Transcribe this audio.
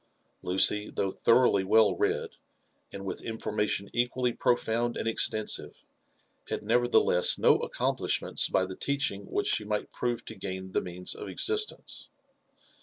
Lucy, though thoroughly well read, and with information equally profound and extensiTe, had nevertheless no accomplishments by the teaching which she might hope to gain the means of existence.